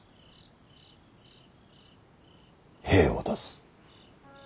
兵を出す。